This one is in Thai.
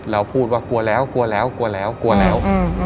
พูดว่ากลัวแล้วกลัวแล้วกลัวแล้วกลัวแล้ว